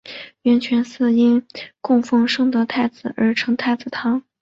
圆泉寺因供奉圣德太子而称太子堂。